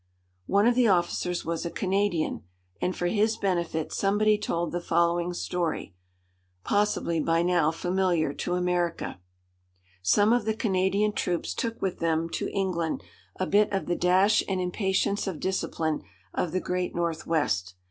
One of the officers was a Canadian, and for his benefit somebody told the following story, possibly by now familiar to America. Some of the Canadian troops took with them to England a bit of the dash and impatience of discipline of the great Northwest.